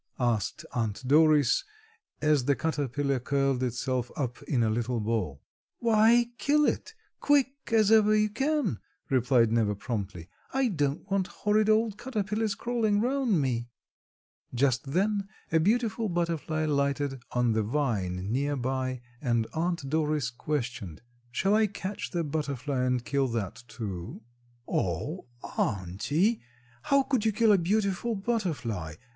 asked Aunt Doris as the caterpillar curled itself up in a little ball. "Why, kill it, quick as ever you can," replied Neva promptly, "I don't want horrid old caterpillars crawling 'round me." Just then a beautiful butterfly lighted on the vine near by and Aunt Doris questioned, "Shall I catch the butterfly and kill that, too?" "O, auntie, how could you kill a beautiful butterfly?"